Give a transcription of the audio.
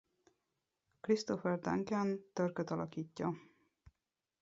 Christopher Duncan Turköt alakítja.